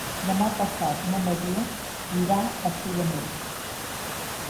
Demà passat na Maria irà a Sudanell.